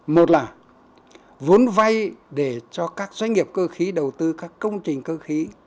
một là vốn vay để cho các doanh nghiệp cơ khí đầu tư các công trình cơ khí